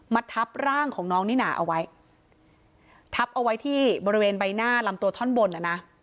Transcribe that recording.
ทับร่างของน้องนิน่าเอาไว้ทับเอาไว้ที่บริเวณใบหน้าลำตัวท่อนบนอ่ะนะ